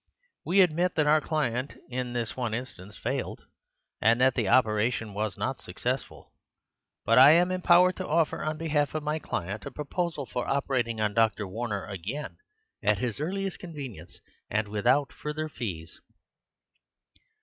We admit that our client, in this one instance, failed, and that the operation was not successful. But I am empowered to offer, on behalf of my client, a proposal for operating on Dr. Warner again, at his earliest convenience, and without further fees."